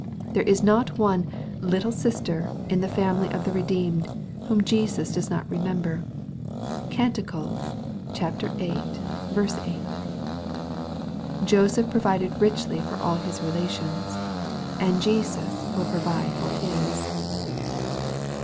There is not one "little sister" in the family of the redeemed, whom Jesus does not remember. (Cant. viii. 8.) Joseph provided richly for aU his rela* tions, and Jesus will provide for His.